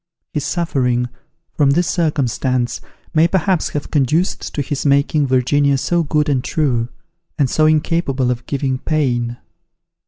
His suffering, from this circumstance, may perhaps have conduced to his making Virginia so good and true, and so incapable of giving pain.